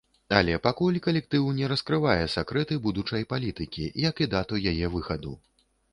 Але пакуль калектыў не раскрывае сакрэты будучай плыткі, як і дату яе выхаду.